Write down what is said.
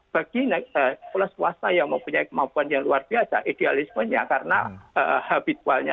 bagi sekolah swasta yang mempunyai kemampuan yang luar biasa idealismenya karena habitualnya